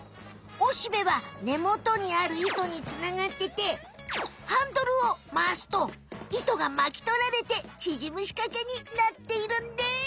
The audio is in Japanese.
オシベはねもとにある糸につながっててハンドルをまわすと糸がまきとられてちぢむしかけになっているんです。